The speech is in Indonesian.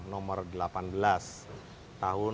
nomor delapan belas tahun dua ribu dua belas